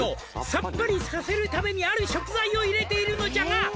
「さっぱりさせるためにある食材を入れているのじゃが」